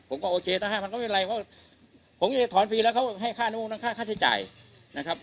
ผมก็โอเคถ้าห้าพันก็ไม่เป็นไรเพราะว่าผมจะถอนฟรีแล้วเขาให้ค่านู้นค่าใช้จ่ายนะครับ